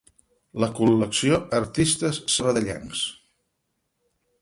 La col·lecció "Artistes sabadellencs".